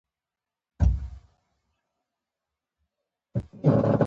ملګری د باور سمبول دی